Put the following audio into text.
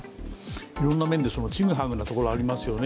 いろんな面でちくはぐなところがありますよね。